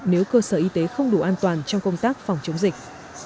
nếu cơ sở y tế không đủ an toàn trong công tác phòng chống dịch